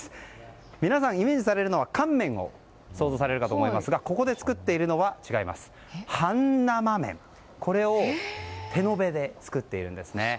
皆さん、イメージされるのは乾麺を想像されるかと思いますがここで作っているのは半生麺、これを手延べで作っているんですね。